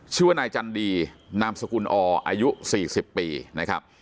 ชื่อว่านายจันดีนามสกุลออายุ๔๐ปีนะครับ